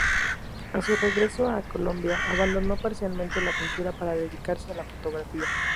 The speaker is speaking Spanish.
A su regresó a Colombia, abandonó parcialmente la pintura para dedicarse a la fotografía.